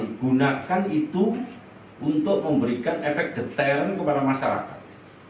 digunakan itu untuk memberikan efek detail kepada masyarakat